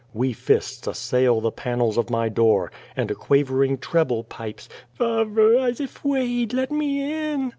Wee fists assail the panels of my door, and a quavering treble pipes :" Fa'ver, I'se afwaid. Let me in